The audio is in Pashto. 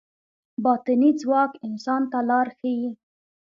باطني ځواک انسان ته لار ښيي.